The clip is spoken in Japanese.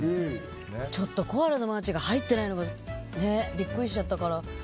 ちょっとコアラのマーチが入ってないのがビックリしちゃったから。